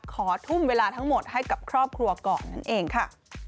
ขอทุ่มเวลาทั้งหมดให้กับครอบครัวก่อนนั่นเองค่ะ